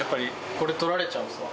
これとられちゃうんですか？